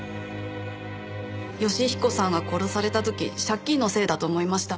芳彦さんが殺された時借金のせいだと思いました。